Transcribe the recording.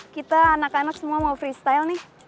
kita anak anak semua mau freestyle nih